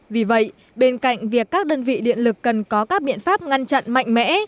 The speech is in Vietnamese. vì vậy bên cạnh việc các đơn vị điện lực cần có các biện pháp ngăn chặn mạnh mẽ